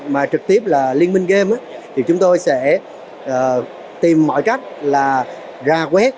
mà trực tiếp là liên minh game thì chúng tôi sẽ tìm mọi cách là ra quét